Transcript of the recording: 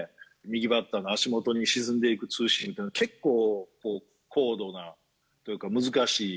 右バッターの足元に沈んでいくツーシーム、結構高度なというか難しい。